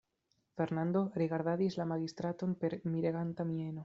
Fernando rigardadis la magistraton per mireganta mieno.